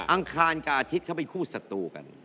อาคาคานกับอาถิตเขาเป็นคู่สัตวกัน